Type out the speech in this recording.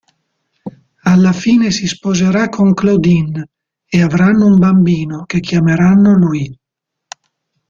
Alla fine si sposerà con Claudine e avranno un bambino, che chiameranno Luis.